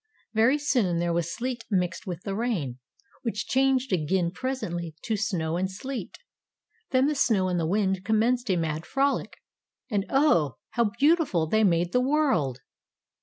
Very soon there was sleet mixed with the rain, which changed again presently to snow and sleet. Then the snow and the wind commenced a mad frolic, and Oh! how beautiful they made the world!